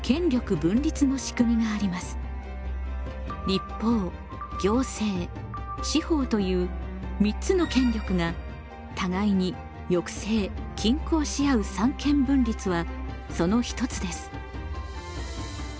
立法行政司法という三つの権力が互いに抑制・均衡しあう三権分立はその一つです。